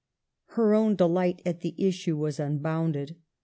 Her own delight at the issue was unbounded.